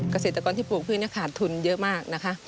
เกษตรกรที่ปลูกพืชขาดทุนเยอะมากนะคะ